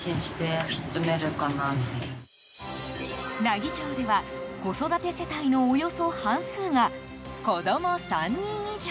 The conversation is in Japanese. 奈義町では子育て世帯のおよそ半数が子供３人以上。